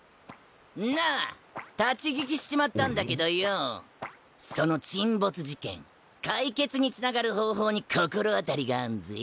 なあ立ち聞きしちまったんだけどよその沈没事件解決につながる方法に心当たりがあんぜ。